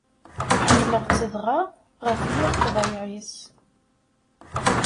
Ḥemmleɣ-tt dɣa ɣef yir ṭṭbayeɛ-is.